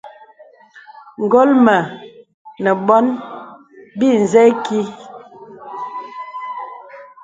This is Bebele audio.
Ngól mə nə bônə bì nzə īkí.